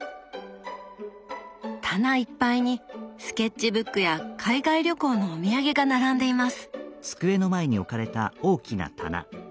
棚いっぱいにスケッチブックや海外旅行のお土産が並んでいます。